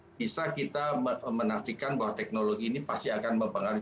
bisa kita menafikan bahwa teknologi ini pasti akan mempengaruhi